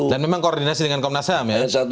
dan memang koordinasi dengan komnas ham ya